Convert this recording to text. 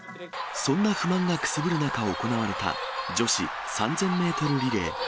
そんな不満がくすぶる中、行われた女子３０００メートルリレー。